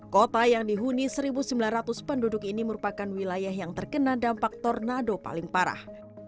kota yang dihuni satu sembilan ratus penduduk ini merupakan wilayah yang terkena dampak tornado paling parah